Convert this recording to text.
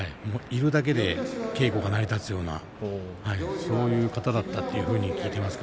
いるだけで稽古が成り立つようなそういう方だったと聞いています。